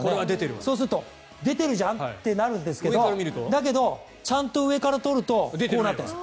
そうすると出てるじゃんってなるんですけどだけど、ちゃんと上から撮るとこうなっています。